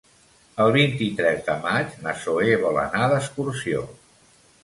El vint-i-tres de maig na Zoè vol anar d'excursió.